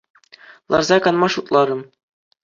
Ларса канма шутларӑм.